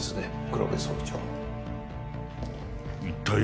黒部総長。